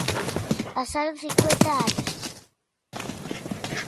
Pasaron cincuenta anos.